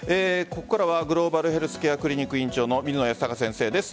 ここからはグローバルヘルスケアクリニック院長の水野泰孝先生です。